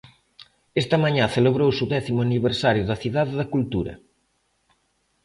Está mañá celebrouse o décimo aniversario da Cidade da Cultura.